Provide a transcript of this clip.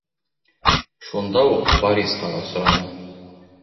Шунда уҡ Борисҡа осраны.